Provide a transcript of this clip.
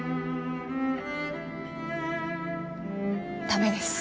駄目です。